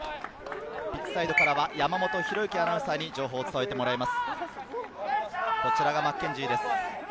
ピッチサイドからは山本紘之アナウンサーに情報を伝えてもらいます。